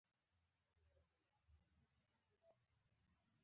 د روان کال په جولای په میاشت کې